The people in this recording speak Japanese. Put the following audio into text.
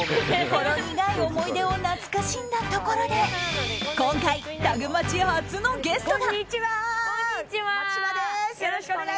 ほろ苦い思い出を懐かしんだところで今回、タグマチ初のゲストが。